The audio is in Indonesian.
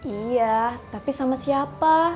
iya tapi sama siapa